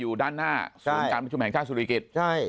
อยู่ด้านหน้าการผู้ชมแห่งชาติสุริกิจ